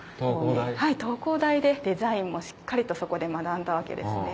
東工大でデザインもしっかりとそこで学んだわけですね。